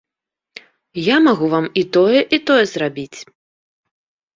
Я магу вам і тое, і тое зрабіць.